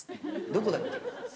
どこだっけ？